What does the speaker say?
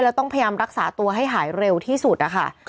แล้วต้องพยายามรักษาตัวให้หายเร็วที่สุดนะคะ